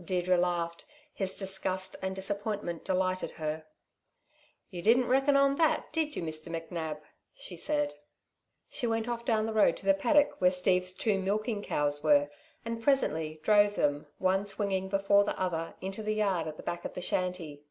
Deirdre laughed. His disgust and disappointment delighted her. "You didn't reckon on that, did you, Mr. McNab," she said. She went off down the road to the paddock where Steve's two milking cows were, and presently, drove them, one swinging before the other, into the yard at the back of the shanty.